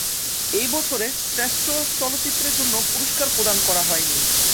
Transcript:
এই বছর শ্রেষ্ঠ চলচ্চিত্রের জন্য পুরস্কার প্রদান করা হয়নি।